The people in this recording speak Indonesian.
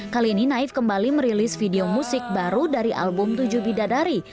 kali ini naif kembali merilis video musik baru dari album tujuh bidadari